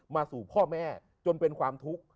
สู่พ่อแม่จนเป็นความทุกข์